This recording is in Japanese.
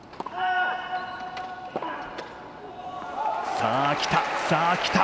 さあ、きた！